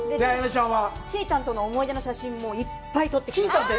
ちーたんとの思い出の写真もいっぱい撮ってきましたので。